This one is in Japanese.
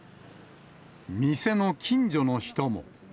店の近所の人も。